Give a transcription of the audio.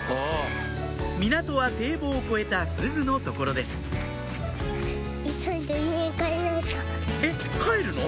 港は堤防を越えたすぐの所ですえっ帰るの？